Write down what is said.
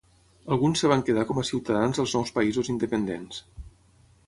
Alguns es van quedar com a ciutadans dels nous països independents.